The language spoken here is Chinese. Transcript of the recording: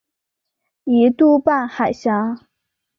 一度半海峡。